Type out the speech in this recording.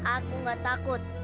aku nggak takut